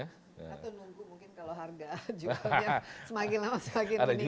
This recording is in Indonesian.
satu nunggu mungkin kalau harga juga biar semakin lama semakin lama